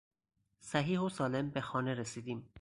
صحیح و سالم به خانه رسیدیم.